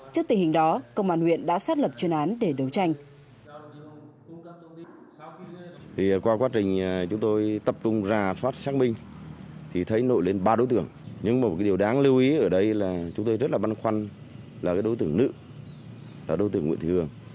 trước tình hình đó công an huyện đã xác lập chuyên án để đấu tranh